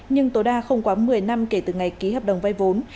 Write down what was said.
nhưng tối đa không quá một mươi năm kể từ ngày ký hợp đồng vay vốn